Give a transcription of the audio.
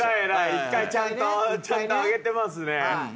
一回ちゃんと揚げてますね。